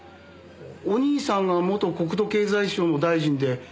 お兄さんが元国土経済省の大臣で。